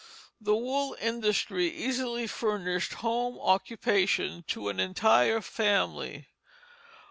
The wool industry easily furnished home occupation to an entire family.